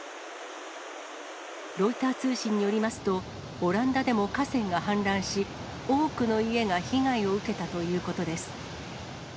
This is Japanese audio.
ロイター通信によりますと、オランダでも河川が氾濫し、多くの家が被害を受けたということです。